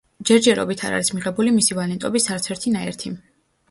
ჯერჯერობით არ არის მიღებული მისი ვალენტობის არც ერთი ნაერთი.